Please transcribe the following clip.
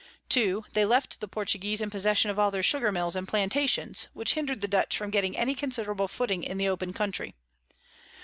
2. They left the Portuguese in possession of all their Sugar Mills and Plantations, which hinder'd the Dutch from getting any considerable Footing in the open Country.